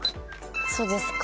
そうですか。